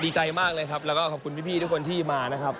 ดีใจมากเลยครับแล้วก็ขอบคุณพี่ทุกคนที่มานะครับ